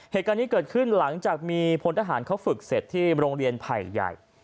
เหตุการณ์นี้เกิดขึ้นหลังจากมีพลทหารเขาฝึกเสร็จที่โรงเรียนไผ่ใหญ่